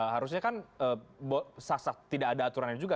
harusnya kan tidak ada aturannya juga